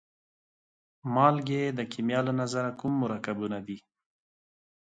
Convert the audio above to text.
مالګې د کیمیا له نظره کوم مرکبونه دي؟